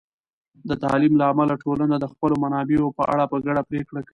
د تعلیم له امله، ټولنه د خپلو منابعو په اړه په ګډه پرېکړه کوي.